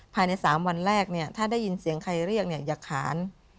ภายในสามวันแรกเนี่ยถ้าได้ยินเสียงใครเรียกเนี่ยอย่าขาน